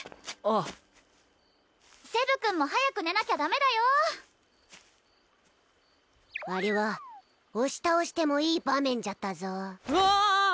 あセブ君も早く寝なきゃダメだよあれは押し倒してもいい場面じゃったぞわあ！